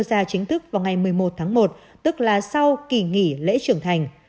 kishida đã đưa ra chính thức vào ngày một mươi một tháng một tức là sau kỳ nghỉ lễ trưởng thành